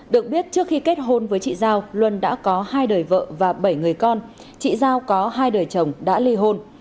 được biết trước khi kết hôn với chị giao luân đã có hai đời vợ và bảy người con chị giao có hai đời chồng đã ly hôn